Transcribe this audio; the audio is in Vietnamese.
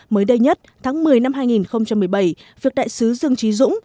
mới đây nhất tháng một mươi năm hai nghìn một mươi bảy việc đại sứ dương trí dũng